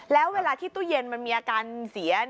แล้วเวลาที่ตู้เย็นมันมีอาการเสีย